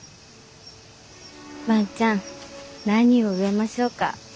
万ちゃん何を植えましょうか？